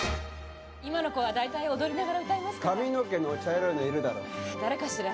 今の子は大体踊りながら歌いますから。